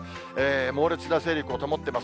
猛烈な勢力を保ってます。